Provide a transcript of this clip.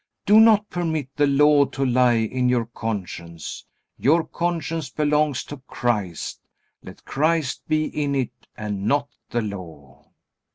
Do not permit the Law to lie in your conscience. Your conscience belongs to Christ. Let Christ be in it and not the Law.